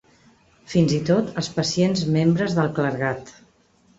Fins i tot els pacients membres del clergat.